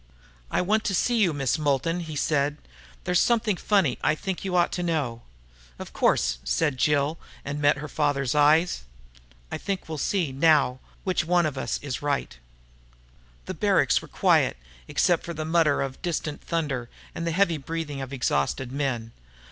"I want to see you, Miss Moulton," he said. "There's something funny I think you ought to know." "Of course," said Jill, and met her father's eyes. "I think we'll see, now, which one of us is right." The barracks were quiet, except for the mutter of distant thunder and the heavy breathing of exhausted men.